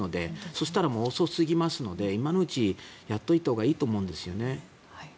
そうしたらもう遅すぎますので今のうち、やっておいたほうがいいと思うんですよね。